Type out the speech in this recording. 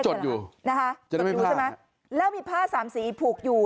ผมจดอยู่เจ็บดูใช่ไหมแล้วมีผ้า๓สีผูกอยู่